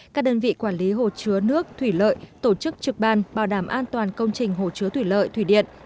các đơn vị quản lý hồ chứa nước thủy lợi tổ chức trực ban bảo đảm an toàn công trình hồ chứa thủy lợi thủy điện